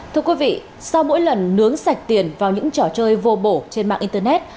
thưa quý vị sau mỗi lần nướng sạch tiền vào những trò chơi vô bổ trên mạng internet